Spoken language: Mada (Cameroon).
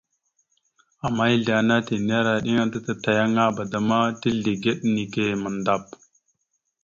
Ama ezle ana tinera iɗəŋa ta tatayaŋaba da ma tizlegeɗ nike mandap.